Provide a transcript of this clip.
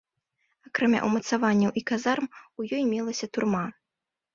Акрамя ўмацаванняў і казарм у ёй мелася турма.